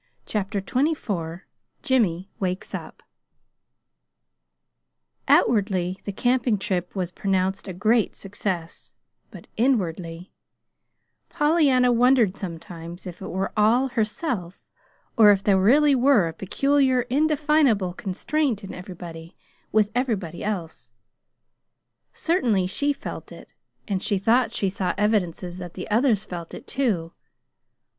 CHAPTER XXIV JIMMY WAKES UP Outwardly the camping trip was pronounced a great success; but inwardly Pollyanna wondered sometimes if it were all herself, or if there really were a peculiar, indefinable constraint in everybody with everybody else. Certainly she felt it, and she thought she saw evidences that the others felt it, too.